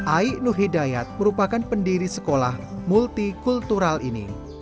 aik nuhidayat merupakan pendiri sekolah multikultural ini